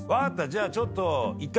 じゃあちょっと。